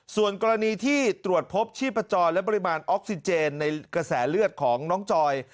ส่วนกรณีที่ตรวจพบชีพจรและปริมาณออกซิเจนในกระแสเลือดของน้องจอย